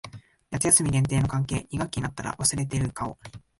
夏休み限定の関係。二学期になったら忘れている顔。